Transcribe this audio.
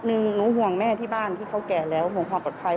หนูห่วงแม่ที่บ้านที่เขาแก่แล้วห่วงความปลอดภัย